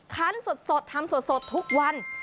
คันสดทำสดทุกวัน